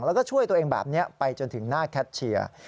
แล้วก็ช่วยตัวเองแบบนี้ไปจนถึงหน้าแคทเชียร์